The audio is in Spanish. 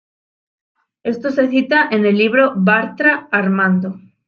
Esto se cita en el libro Bartra, Armando.